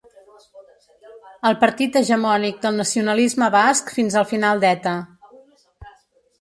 El partit hegemònic del nacionalisme basc fins al final d'Eta.